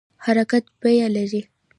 حرکت بیه لري